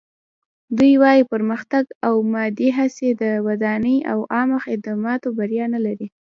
دوی وايي پرمختګ او مادي هڅې د ودانۍ او عامه خدماتو بریا نه لري.